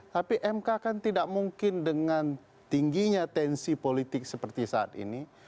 tapi mk kan tidak mungkin dengan tingginya tensi politik seperti saat ini